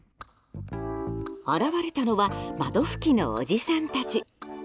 現れたのは窓拭きのおじさんたち。